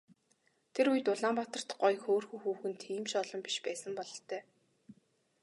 Тэр үед Улаанбаатарт гоё хөөрхөн хүүхэн тийм ч олон биш байсан бололтой.